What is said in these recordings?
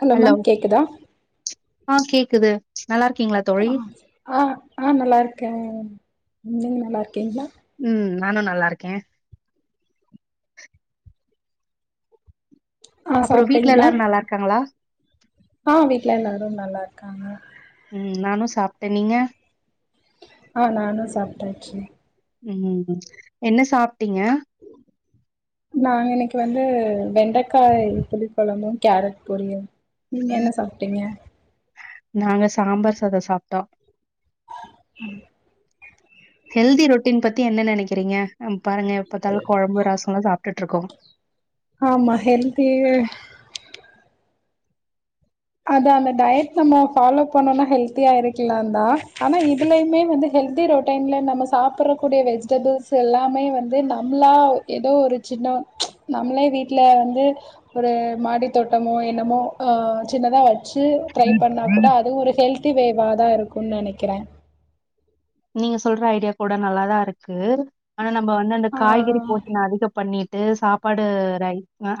Hello ma'am கேக்குதா ஆ கேக்குது நல்லார்க்கீங்ளாத் ஆ ஆ ஆ நல்லார்க்கே நீங்க நல்லார்க்கீங்ளா ம் நானு நல்லார்க்கே ஆ அப்புறோ வீட்ல சாப்ட்டீங்களா எல்லாரு நல்லார்க்காங்களா ஆ வீட்ல எல்லாரு நல்லார்க்காங்க ம் நானு சாப்ட்டே நீங்க ஆ நானு சாப்ட்டாச்சு ம் என்ன சாப்ட்டீங்க நாங்க இன்னைக்கி வந்து வெண்டக்காய் புளி கொழம்பும் கேரட் பொரியும் நீங்க என்ன சாப்ட்டீங்க நாங்க சாம்பார் சாதோ சாப்ட்டோ [inaudible] ஹெல்தி ரொட்டீன் பத்தி என்ன நெனைக்கிறீங்க பாருங்க எப்பாத்தாலு கொழம்பு ரசோல்லா சாப்ட்டுடுட்ருக்கோ ஆமா ஹெல்த்தி அது அந்த டயட் நம்ம ஃபாலோ பண்ணோனா ஹெல்தியா இருக்கலாந்தா ஆனா இதுலயுமே வந்து ஹெல்தி ரொட் டைம்ல நம்ம சாப்பறக்கூடிய வெஜிடபிள்ஸ் எல்லாமே வந்து நம்மளா ஏதோ ஒரு சின்ன நம்ளே வீட்ல வந்து ஒரு மாடி தோட்டமோ என்னமோ ஒ சின்னதா வச்சு ட்ரை பண்ணா கூட அது ஒரு ஹெல்த்தி வேவா தா இருக்குன்னு நெனைக்கிறே நீங்க சொல்ற ஐடியா கூட நல்லாதா இருக்கு ஆனா நம்ம வந்து அந்த காய்கறி ஆ போஷ்ண அதிகப்பண்ணி ட்டு சாப்பாடு ரை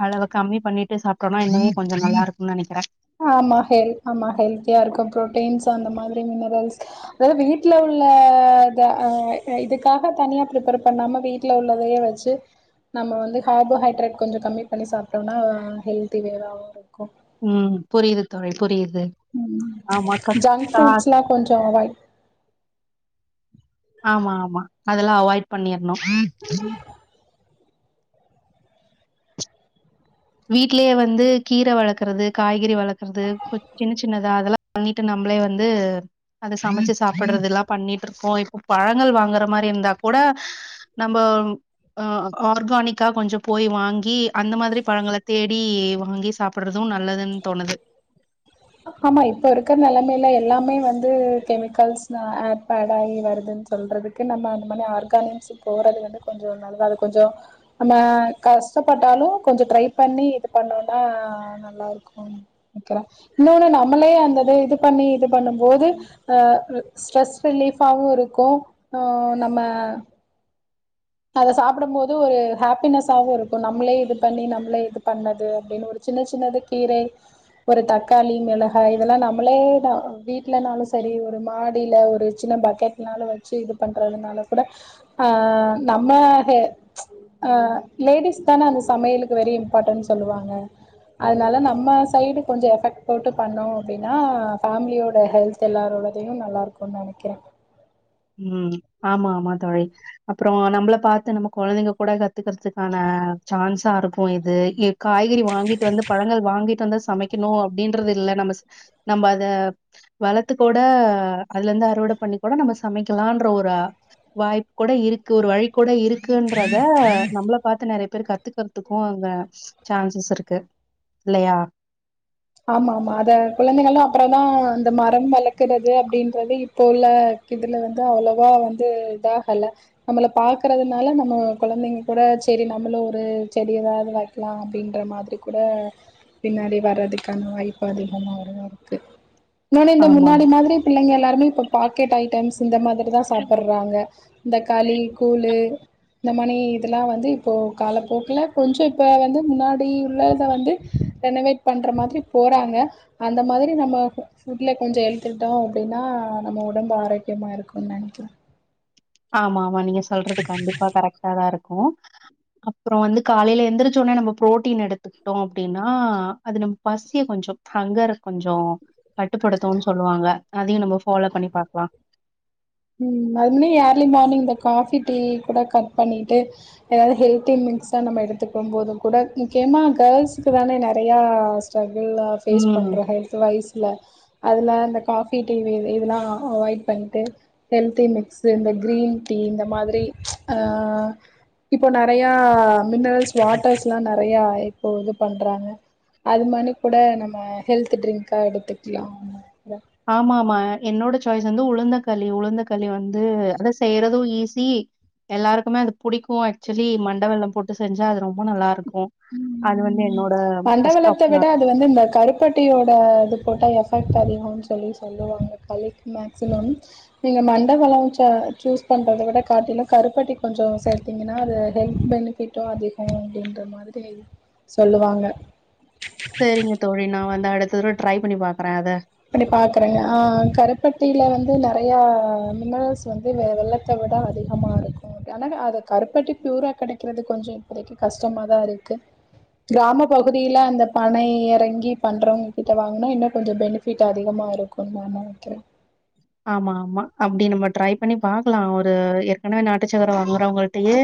அளவ கம்மிபன்னிட்டு சாப்ட்டோம்னா இன்னமே கொஞ்ச நல்லா இருக்குன் நெனைக்கிறே ஆமா ஹெல் ஆமா ஹெல்தியா இருக்கு ப்ரோட்டீன்ஸ் அந்த மாதிரி மினரல்ஸ் அதாது வீட்ல உள்ள இதுக்காக தனியா பிரிப்பர் பண்ணாம வீட் ட்ல உள்ளதயே வச்சு நம்ம வந்து கார்போஹைட்ரேட் கொஞ்ச கம்மி பண்ணி சாப்ட்டோம்னா ஹெல்தி வேவாவு இருக்கு ம் புரியுது தோழி புரியுது ம் ஆமா கத் ஜங்க் தா ஃப்ரூட்ஸ்லா கொஞ்சோ வை ஆமா ஆமா அதெல்லா அவாய்ட் பண்ணிய்ர்ணு வீட்லே வந்து கீர வளக்குறது காய்கறி வளக்குறது கொஞ் சின்ன சின்னதா அதெல்லா பண்ணிட்டு நம்மளே வந்து அது சமச்சு சாப்பிட்றது எல்லா பண்ணிட்டு இருக்கோ இப்போ பழங்கள் வாங்குற மாரி இருந்தா கூட நம்ம அ ஆர்கானிக்கா கொஞ்ச போய் வாங்கி அந்த மாதிரி பழங்கள தேடி வாங்கி சாப்பிட்றது நல்லதுன் தோணுது ஆமா இப்ப இருக்குற நிலைமைல எல்லாமே வந்து கெமிக்கல்ஸ் ஆட் பேட் ஆகி வருதுன் சொல்றதுக் கு நம்ம அந்த மாரி ஆர்கானிக்ஸ் போறது வந்து கொஞ்சோநல்லா அது கொஞ்சோ நம்ம கஷ்டப்பட்டாலு கொஞ்ச ட்ரை பண்ணி இது பண்ணோனா நல்லாருக்கு கு அப்றோ இன்னொன்னு நம்மளே அந்தத இது பண்ணி இது பண்ணும் போது அ ஸ்ட்ரெஸ் ரிலீஃபாவு இருக்கு நம்ம அத சாப்டும் போது ஒரு ஹாப்பினஸ்ஸாவு இருக்கு நம்மளே இது பண்ணி நம்மளே இது பண்ணது அப்டின்னு ஒரு சின்ன சின்னதுக் கீரைஸ் ஒரு தக்காளி மிளகாய் இதெல்லா நம்மளே தா வீட்லனாலு சரி ஒரு மாடியில ஒரு சின்ன பக் கெட்னாலு வச்சு இது பண்றதுனால கூட ஆ நம்ம ச் அ லேடிஸ் தானே அந்த சமையலுக்கு வெரி இம்பாட்டன்னு சொல்லுவாங்க அதுனால நம்ம சைடு கொஞ்ச எஃபெக்ட் போட்டு பண்ணோ அப்டின்னா ஃபேமிலியோட ஹெல்த் எல்லாரோடதையு நல்லாருக்குன் நெனைக்கிறே ம் ஆமா ஆமா தோழி அப்பறோ நம்மள பாத்து நம்ம கொழந்தைங்க கூட கத்துக்குறதுக்கான சான்ஸா இருக்கு இது காய்கறி வாங்கிட்டு வந்து பழங்கள் வாங்கிட்டு வந்து சமைக்கணு அப்டின்றது இல்ல நம்ம ஸ் நம்ம அத வளத்து கூட அதுல இருந்து அறுவட பண்ணி கூட நம்ம சமைக்கலான்ற ஒரு வாய்ப்பு கூட இருக் கு ஒரு வழி கூட இருக்குன்றத நம்மள பாத்து நெறையப் பேர் கத்துக்குறதுக்கு அங்க சான்சஸ் இருக்கு இல்லயா ஆமா ஆமா அத கொழந்தைங்களா அப்பற தா இந்த மரம் வளக்குறது அப்டின்றது இப்ப உள்ள இதுல வந்து அவ்ளோவா வந்து இதாகல நம்மள பாக்குறதுனால நம்மோ கொழந்தைங்க கூட செரி நம்மளு ஒரு செடி ஏதாவது வளக்லா அப்டின்ற மாதிரி கூட பின்னாடி வர்றது க்கான வாய்ப்பு அதிகமா வருதா இருக்கு இன்னொன்னு இந்த ஆமா. முன்னாடி மாதிரி பிள்ளைங்க எல்லாருமே இப்ப பாக்கெட் ஐட்டம்ஸ் இந்த மாதிரி தா சாப்பறாங்க இந்த களி கூழு இந்த மாரி இதெல்லா வந்து இப்போ காலப்போக்குல கொஞ்சோ இப்ப வந்து முன்னாடி உள்ளத வந்து ரெனவேட் பண்ற மாதிரி போறாங்க அந்த மாதிரி நம்ம ஃபுட்ல கொஞ்சோ எடுத்துட்டோ அப்டின்னா நம்ம உடம்பு ஆரோக்கியமாக இருக்குன் நெனைக்கிற ஆமா ஆமா நீங்க சொல்றது கண்டிப்பா கரெக்ட்டா தா இருக்கு அப்புறோ வந்து காலைல எந்திரச்சோனே நம்ம ப்ரோட்டீன் எடுத்து ட்டோ அப்டின்னா அது நம்ம பசிய கொஞ்சோ அங்கற கொஞ்சோ கட்டுப்படுத்துன் சொல்லுவாங்க அதியு நம்ம ஃபாலோ பண்ணி பாக்லா ம் அது முன்ன ஏர்லி மார்னிங் இந்த காஃபி டீ கூட கட் பண்ணிட்டு ஏதாவது ஹெல்தி மிக்ஸாக நம்ம எடுத்துக்க போதும் கூட முக்கியமாக கேர்ள்ஸு்கக்கு தானே நெறையா ஸ்ட்ரகுள்ளா ஃபேஸ் ம். பண்றோ ஹெல்த் வைஸ்ல அதெலா இந்த காஃபி டீ டிவி இதெல்லா அவாய்ட் பண்ட்டு ஹெல்தி மிக்ஸ்சு இந்த கிரீன் டீ இந்த மாதிரி இப்போ நறையா மின்னரல்ஸ் வாட்டர்ஸ்லா நறைய இப்போ இது பண்றாங்க அது மாரி கூட நம்ம ஹெல்த் ட்ரிங்கா எடுத்துக்லா ஆமா ஆமா என்னோட சாய்ஸ் வந்து உளுந்தக்களி உளுந்தக்களி வந்து அத செய்றது ஈஸி எல்லாருக்குமே அது புடிக்கு ஆக்சுவலி மண்ட வெள்ளம் போட்டு செஞ்சா அது ரொம்ப நல்லா இருக்கு அது வந்து என்னோட ஃபர்ஸ்ட் ஆப்ஷனா இது வந்து இந்த கருப்பட்டியோட இது போட்டா எஃபெக்ட் அதிகோன் சொல்லி சொ ல்லுவாங்க கலைக் மேக்சிமம் நீங்க மண்டபளம் ச சூஸ் பண்றத விட காட்டிலு கருப்பட்டி கொஞ்சோ சேர்த்திங்கன்னா அது ஹெல்த் பெனிஃ ட்டோ அதிகோ அப்டின்ற மாதிரி சொல்லுவாங்க செரிங்க தோழி நா வந்து அடுத்த தர ட்ரை பண்ணி பாக்குற அத அப்டி பாக்குறேங்க ஆ கருப்பட்டியில வந்து நறையா மினரல்ஸ் வந்து வெ வெள்ள அத விட அதிகமாக இருக்கு ஆனா அது கருப்பட்டி ப்யூரா கெடக்கிறது கொஞ்சோ இப்போதிக்கி கஷ்டமா தா இருக்கு கிராம பகுதியில அந்த பனை இறங்கி பண்றவுங்க கிட்ட வாங்கனா இன்னு கொஞ்சோ பெனி ஃபிட் அதிகமாக இருக்குன் நா நெனைக்கிற ஆமா ஆமா அப்டி நம்ம ட்ரை பண்ணி பாக்லா ஒரு ஏற்கனவே நாட்டுச்சக்கர வாங்குறவுங்கள்டியே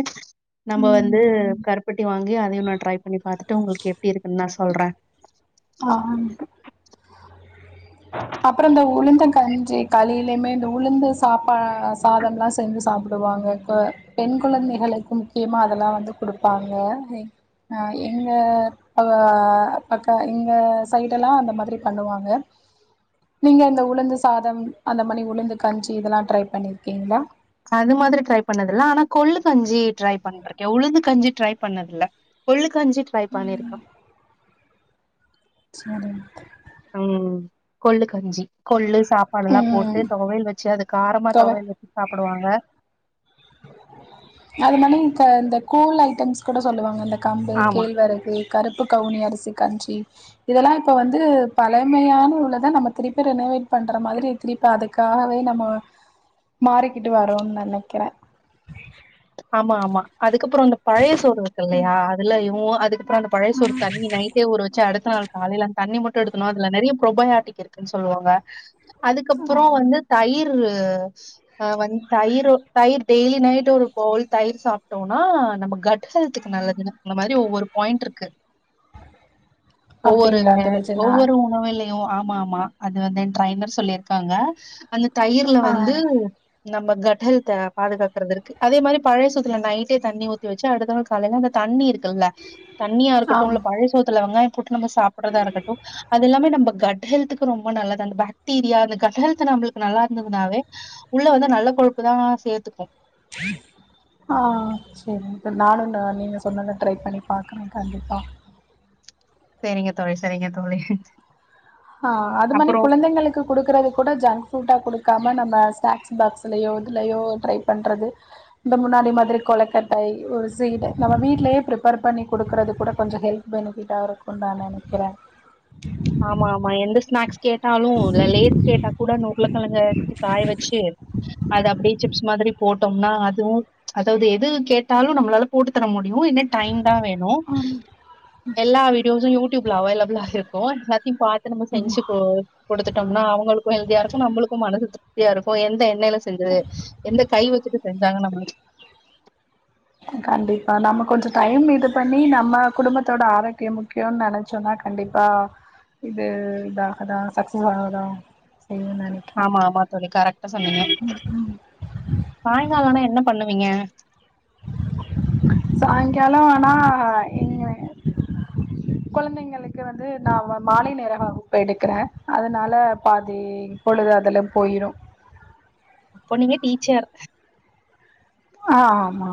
நம்ம வந்து ம் கருப்பட்டி வாங்கி அதையு ஒன்ன ட்ரை பண்ணி பாத்துட்டு உங்களுக்கு எப்டி இருக்குன் நா சொல்ற ஆ ஆஹ் அப்புற இந்த உளுந்த கஞ்சி கலியிலேமே இந்த உளுந்து சாப்பா சாதம்லா செஞ்சு சாப் டுவாங்க இப்ப பெண் கொழந்தைகளுக்கு முக்கியமா அதெல்லா வந்து குடுப்பாங்க ஆ எங்க அ பக்க இங்க சைட எல்லா அந்த மாதிரி பண்ணுவாங்க நீங்க இந்த உளுந்து சாதம் அந்த மாதிரி உளுந்து கஞ்சி இதெல்லா ட்ரை பண்ணியிருக்கீங்ளா அது மாதிரி ட்ரை பண்ணது இல்ல ஆனா கொல்லு கஞ்சி ட்ரை பண்ணிருக்கே உளுது கஞ்சி ட்ரை பண்ணதுல்ல கொள்ளு கஞ்சி ட்ரை பண்ணிருக்கா சரிங்க த உம் கொள்ளு கஞ்சி கொள்ளு சாப்பாடு எல்லா ம் போட்டு துவையல் வச்சி அது காரமா தோழர் தொவல் வ சாப்டுவாங்க அந்த மானிக இந்த கூல் ஐட்டம்ஸ் கூட சொல்லுவாங்க இந்த கம்பு ஆமா கேழ்வரகு கருப்பு கவுனி அரிசி கஞ்சி இதெல்லா இப்ப வந்து பழமையான உள்ள தா நம்ம திருப்பி ரினவேட் பண்ற மாதிரி திரிப்பி அதுக்காகவே நம்ம மாறிக்கிட்டு வரோ நனைக்கிற ஆமா ஆமா அதுக்கப்ரோ அந்த பழைய சோறு இருக்கு இல்லயா அதுல இவுங்களு அதுக்கு போனப்அந்த பழைய சோறு தண்ணி நைட்டே ஒரு வச்சி அடுத்த நாள் காலேல தண்ணி மட்டு எடுக்கணுன அதுல நெறைய ப்ரோபையாட்டிக் இருக்குன்னு சொல்லுவாங்க அதுக்கப்புறம் வந்து தயிரு ஆ வந்து தயிர் தயிர் டெய்லி நைட் ஒரு பவுல் தயிர் சாப்டோனா நம்ம கட் ஹெல்துக்கு நல்லதுன்னு இந்த மாரி ஒவ்வொரு பாயிண்ட் இருக்கு ஒவ்வொரு அப்டிங்களா ந தோழி சரி நா ஒவ்வொரு உணவிலே ஏ ஓ ஆமா ஆமா அது வந்து டிரைனர் சொல்லிருக்காங்க அந்த தயிர்ல ஆ வந்து நம்ம கட்கெல்த்த பாதுகாக்றதுக்கு அதே மாரி பழைய சோத்துல நைட்டே தண்ணி ஊத்தி வச்ச அடுத்த நாள் காலேல அந்த தண்ணி இருக்குல தண்ணியா இருக்கட்டு ஆம் இல்ல பழைய சோத்துல வெங்காய போட்டு நம்ம சாப்றதா இருக்கட்டு அது எல்லாமே நம்ம கட் ஹெல்துக்கு ரொம்ப நல்லது அந்த பேக்டீரியா அந் கட் ஹெல்து நம்மளுக்கு நல்லா இருந்ததுனாவே உள்ள வந்து நல்ல கொழுப்பு தா சேத்துக்கு ஆ சேரிங் நானுன நீங்க சொன்னத ட்ரை பண்ணி பாக்குறே கண்டிப்பா சேரிங்க தோழி சேரிங்க தோழி ஆ அது மானி அப்புறோ குழந்தைங்களு க்கு குடுக்குறது கூட ஜங்க் புட்டா குடுக்காம நம்ம ஸ்னாக்ஸ் பாக்ஸ்லயோ இதுலயோ ட்ரை பண்ணுறது இந்த முன்னாடி மாதிரி கொலைக்கட்டை ஒரு சீட நம்ம வீட்லயே ப்ரிப்பர் பண்ணி குடுக்குறது கூட கொஞ்ச ஹெல்த் பெனிபிட்டா இருக்குன் நெனக்கிற ஆமா ஆமா எந்த ஸ்நாக்ஸ் கேட்டாலு இல்ல லேஸ் கேட்டா கூட நூருலக்கிழங்க காய வச்சி அது அப்டியே சிப்ஸ் மாதிரி போட்டோம்னா அதுவு அதோடய இது கேட்டாலு நம்மளால போட்டு தர முடியு என்னத் டைம் தா வேணு எல்லா வீடியோஸும் யூடியூப்ல அவேலபிளா இருக்கு எல்லாத்தையு பாத் திரும்ப செஞ்சி கு குடுத்துடம்னா அவங்களுக்கு ஹெல்தியா இருக்கு நம்மளுக்கு மனசு திப் தியா இருக்கு எந்த எண்ணெல செஞ்சது எந்த கை வச்சிட்டு செஞ்சாங்க நம்ம கண்டிப்பா நம்ம கொஞ்ச டைம் இது பண்ணி நம்ம குடும்பத்தோட ஆரோக்கியம் முக்கியோ நெனச் சொன்னா கண்டிப்பா இது இதாகதா சக்சஸ் ஆகதா செய்யுன் நெனைக்கிறே ஆமா ஆமா தோழி கரெக்டா சொன்னங்க சாயங்கால ஆனா என்ன பண்ணுவீங்க சாய்ங்கால ஆனா இங்க கெழந்தைங்களுக்கு வந்து நாம்ம மாலை நேர வகுப்பு எடுக்கிற அதனால பாதி பொழுது அதுல போயிரு அப்போ நீங்க டீச்சர் ஆ ஆமா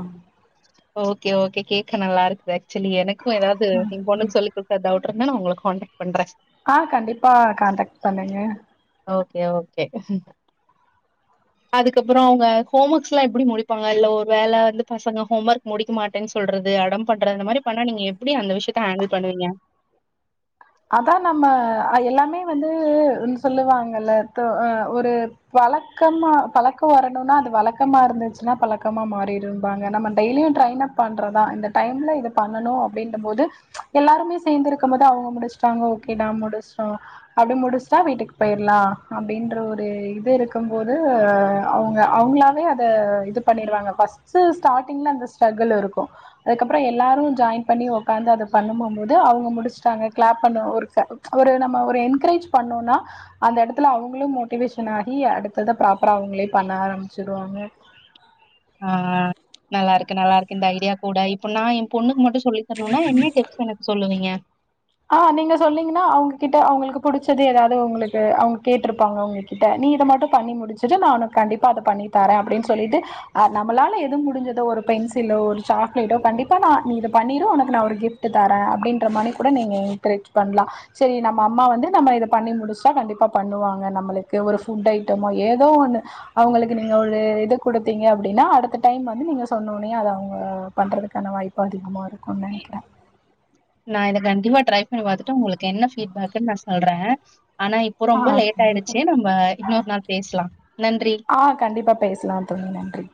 ஓகே ஓகே கேக்க நல்லா இருக்கு ஆக்சுவலி எனக்கும் ஏதாது எங் பொண்ணுக்கு சொல்லி [unintelligible] டவுட் இருந்தா உங்களுக்கு கான்டெக் பண்ற ஆ கண்டிப்பா கான்டக் பண்ணுங்க ஓகே ஓகே அதுக்கப்புற அவங்க ஹோமக்ஸ்லா எப்டி முடிப்பாங்க இல்ல ஒரு வேல வந்து பசங்க ஹோமர்க் முடிக்க மாட்டேன் சொல்றது அடம் பண்றது இந்த மாரி பண்ணா நீங்க எப்படி அந்த விஷயத்த ஹாண்டில் பண்ணுவிங்க அதா நம்ம எல்லாமே வந்து சொல்லுவாங்கல்ல க ஒரு வழக்கமா பழக்க வரணுனா அது வழக்கமா இருந்துச்சுன்னா பழக்கமா மாறிரு ம்பாங்க நம்ம டெய்லியு ட்ரைன் அப் பண்றதா இந்த டைம்ல இது பண்ணணு அப்டின்டம் போது எல்லாருமே சேந்திருக்கும் போது அவங்க முடிச் டாங்க ஓகே நா முடிச்ட்டோ அப்டி முடிச்ட்டா வீட்டுக்கு போயிர்லா அப்டின்ற ஒரு இது இருக்கும் போது அவுங்க அவங்ளா வே அத இது பண்ணிருவாங்க ஃபஸ்ட்டு ஸ்டாட்டிங்ல அந்த ஸ்ட்ரகிள் இருக்கு அதுக்கப்பற எல்லாரு ஜாயின் பண்ணி உக்காந்து அத பண்ணுமம் போது அவங்க முடிச்ட்டாங்க கிளேப் பண்ண ஒரு ஒரு நம்ம ஒரு என்க்ரேஜ் பண்ணோனா அந்த எடத்துல அவங்களு மோட்டிவேஷன் ஆகி அடுத்தத ப்ராப்பரா அவங்களே பண்ண ஆரம்பிச்சிருவாங்க ஆ நல்லாருக்கு நல்லாருக்கு இந்த ஐடியா கூட இப்ப நா எம் பொண்ணுக்கு மட்டு சொல்லி தரணுனா என்ன டிப்ஸ் எனக்கு சொல்லுவிங்க ஆ நீங்க சொன்னிங்கனா அவங்ககிட்ட அவங்களுக்கு புடிச்சது எதாவது உங்களுக்கு அவங்க கேட்ருப்பாங்க உங்க கிட்ட நீ இத மட்டு பண்ணி முடிச்சுரு நா உனக்கு கண்டிப்பா அத பண்ணி தாரே அப்படின் சொல்லிட்டு நம்மளால எது முடிஞ்சதோ ஒரு பென்சிலோ ஒரு சாக்லேட்டோ கண்டிப்பா நா நீ இத பண்ணிரு உனக்கு நா ஒரு கிஃப் ட் தரே அப்டின்ற மாரி கூட நீங்க என்கரேஜ் பண்லா செரி நம்ம அம்மா வந்து நம்ம இத பண்ணி முடிச்சா கண்டிப்பா பண்ணுவாங்க நம்மளுக்கு ஒரு ஃபுட் ஐட்டமோ ஏதோ ஒண்ணு அவங்களுக்கு நீங்க ஒரு இது குடுத்தீங்க அப்டின்னா அடுத்த டைம் வந்து நீங்க சொன்னோனய அத அவங்க பண்றதுக்கான வாய்ப் பு அதிகமா இருக்குன் நெனைக்கற நா இதை கண்டிப்பா ட்ரை பண்ணி பாத்துட்டு உங்களுக்கு என்ன ஃபீட் பேக்குன் நா சொல்ற ஆனா இப்ப ஆ ரொம்ப லேட் கண்டிப்பா. ஆயிடுச்சு நம்ப இன்னொரு நாள் பேசலா நன்றி ஆ கண்டிப்பா பேசலாம் தோழி நன்றி